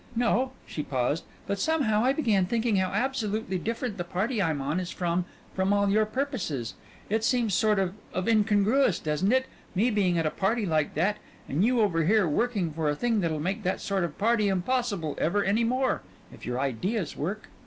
"No " she paused," but somehow I began thinking how absolutely different the party I'm on is from from all your purposes. It seems sort of of incongruous, doesn't it? me being at a party like that, and you over here working for a thing that'll make that sort of party impossible ever any more, if your ideas work."